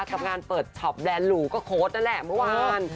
กับงานเปิดช็อปแลนดหรูก็โค้ดนั่นแหละเมื่อวาน